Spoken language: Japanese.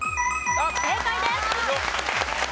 正解です。